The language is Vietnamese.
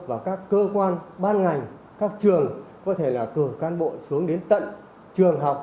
và các cơ quan ban ngành các trường có thể là cửa can bộ xuống đến tận trường học